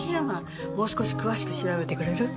もう少し詳しく調べてくれる？わ！